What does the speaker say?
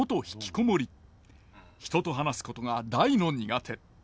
人と話すことが大の苦手。